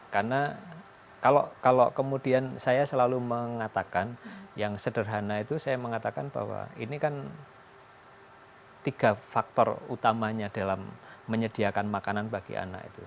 karena kalau kemudian saya selalu mengatakan yang sederhana itu saya mengatakan bahwa ini kan tiga faktor utamanya dalam menyediakan makanan bagi anak itu